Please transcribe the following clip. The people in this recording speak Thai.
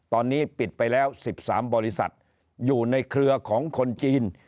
ตอนนี้ปิดไปแล้ว๑๓บริษัทอยู่ในเครือของคนจีน